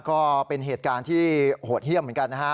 ก็เป็นเหตุการณ์ที่โหดเยี่ยมเหมือนกันนะฮะ